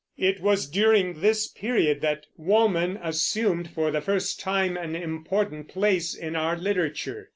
It was during this period that woman assumed, for the first time, an important place in our literature.